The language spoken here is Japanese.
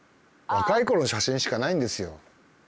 若いころの写真しかないんですよ。